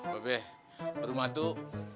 bebe rumah tuh